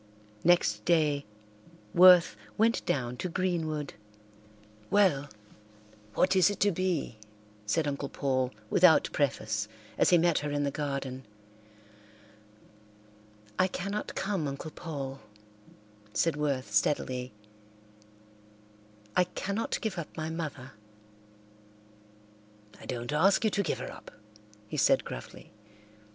Next day Worth went down to Greenwood. "Well, what is it to be?" said Uncle Paul without preface, as he met her in the garden. "I cannot come, Uncle Paul," said Worth steadily. "I cannot give up my mother." "I don't ask you to give her up," he said gruffly.